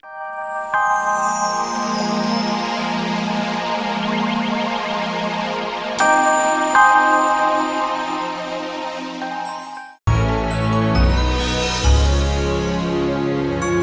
kita tidak tahu apa yang akan terjadi